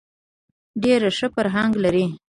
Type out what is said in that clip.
ډېر ښه فرهنګ لري.